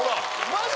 マジ！？